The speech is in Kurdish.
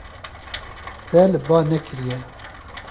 Te li ba nekiriye.